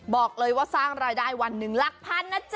บอกเลยว่าสร้างรายได้วัน๑ละพันนะจ๊ะ